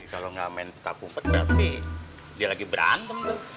kalo gak main petak umpet berarti dia lagi berantem dong